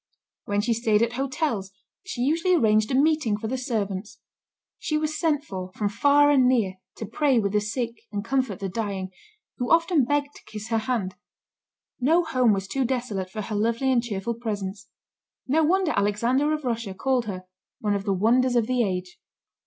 When she stayed at hotels, she usually arranged a meeting for the servants. She was sent for, from far and near, to pray with the sick, and comfort the dying, who often begged to kiss her hand; no home was too desolate for her lovely and cheerful presence. No wonder Alexander of Russia called her "one of the wonders of the age."